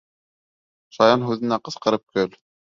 Шаян һүҙенә ҡысҡырып көл.